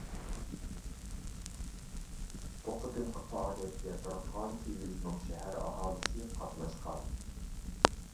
بۇ قېتىمقى پائالىيەتكە بىرقانچە يۈز مىڭ شەھەر ئاھالىسى قاتناشقان.